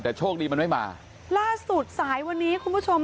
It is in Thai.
แต่โชคดีมันไม่มาล่าสุดสายวันนี้คุณผู้ชม